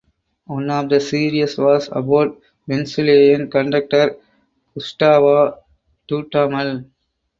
One of the series was about Venezuelan conductor Gustavo Dudamel.